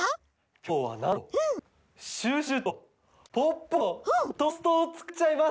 きょうはなんとシュッシュとポッポのトーストをつくっちゃいます！